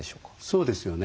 そうですよね。